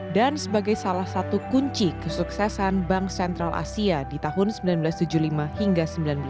dan sebagai salah satu kunci kesuksesan bank sentral asia di tahun seribu sembilan ratus tujuh puluh lima hingga seribu sembilan ratus sembilan puluh